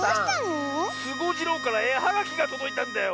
スゴジロウからえはがきがとどいたんだよ。